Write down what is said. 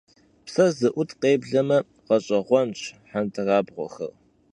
Pse zı'ut khebleme ğeş'eğuenş hendırabğuexer.